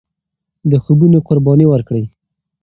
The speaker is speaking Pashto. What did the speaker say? د خوبونو قرباني ورکړئ.